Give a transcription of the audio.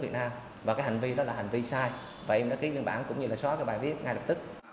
việt nam và cái hành vi đó là hành vi sai vậy em đã ký biên bản cũng như là xóa cái bài viết ngay lập tức